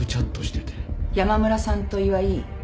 山村さんと岩井。